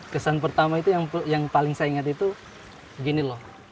kesan pertama itu yang paling saya ingat itu gini loh